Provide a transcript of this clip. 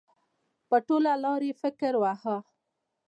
په ټوله لار یې فکر واهه.